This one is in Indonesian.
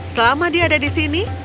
selama dia ada di sini